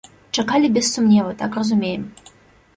Чакалі без сумневу, так разумеем.